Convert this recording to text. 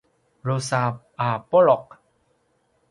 drusa a puluq